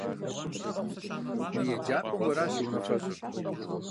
Мы еджапӀэм уэращ и унафэщӀыр.